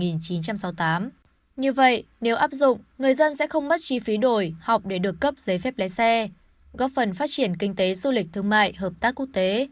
như vậy nếu áp dụng người dân sẽ không mất chi phí đổi học để được cấp giấy phép lấy xe góp phần phát triển kinh tế du lịch thương mại hợp tác quốc tế